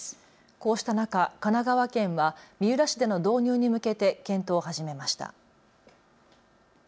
こうした中、神奈川県は三浦市での導入に向けて検討を始めました。